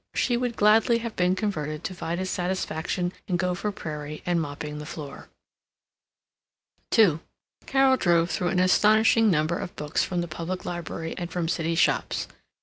She would gladly have been converted to Vida's satisfaction in Gopher Prairie and mopping the floor. II Carol drove through an astonishing number of books from the public library and from city shops.